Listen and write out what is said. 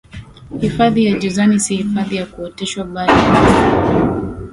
Hifadhi ya Jozani si hifadhi ya kuoteshwa bali ya asili